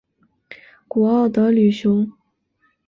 古奥德吕雄。